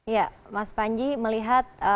ya mas panji melihat